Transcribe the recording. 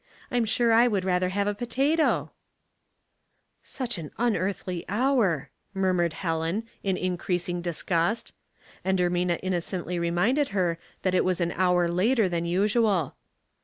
I'm sure I would rather have a potato." 362 Household P .izzles. " Such an unearthly hour," murmured Helen, in increasing disgust; and Ermina innocently re minded her that it was an hour later than nsual.